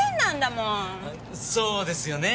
そうですよねえ。